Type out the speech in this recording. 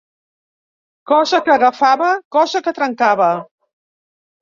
Cosa que agafava, cosa que trencava.